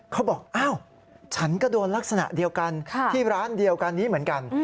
เขาบอกอ้าวฉันก็โดนลักษณะเดียวกันที่ร้านเดียวกันนี้เหมือนกัน